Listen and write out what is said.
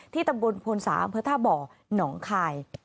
ที่ตะบลผลสาหามเพอร์ท่าบ่อนองคาย